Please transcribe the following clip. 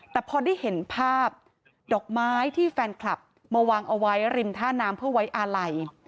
แต่พอได้เห็นภาพดอกไม้ที่แฟนคลับมาวางเอาไว้ริมท่าน้ำเพื่อไว้อาลัย